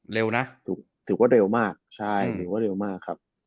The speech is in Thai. เร็วนะถือว่าเร็วมากใช่ถือว่าเร็วมากครับ